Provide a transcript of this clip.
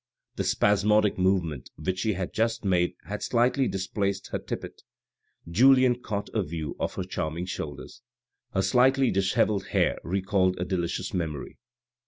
The spasmodic movement which she had just made had slightly displaced her tippet; Julien caught a view of her charming shoulders. Her slightly dishevelled hair recalled a delicious memory.